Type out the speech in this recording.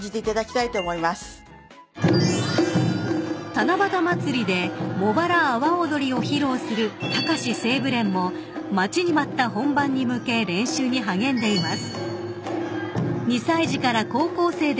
［七夕まつりでもばら阿波おどりを披露する高師西部連も待ちに待った本番に向け練習に励んでいます］